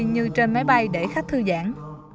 từ trên máy bay để khách thư giãn